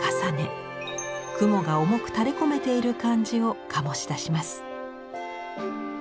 雲が重く垂れこめている感じを醸し出します。